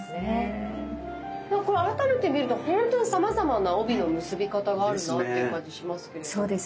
改めて見るとさまざまな帯の結び方があるなっていう感じしますけれど。